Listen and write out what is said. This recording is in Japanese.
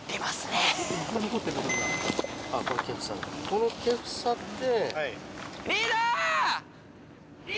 このケフサって。